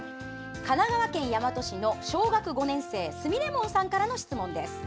神奈川県大和市の小学５年生すみれもんさんからの質問です。